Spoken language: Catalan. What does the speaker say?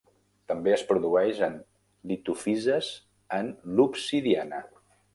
També es produeix en litofises en l'obsidiana.